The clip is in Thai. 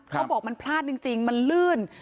เขาบอกมันพลาดจริงมันลื่น